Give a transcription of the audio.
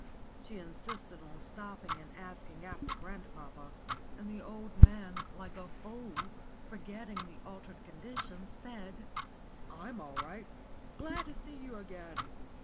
She insisted on stopping and asking after grandpapa; and the old man, like a fool, forgetting the altered conditions, answered: "I'm all right. Glad to see you again.